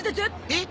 えっ？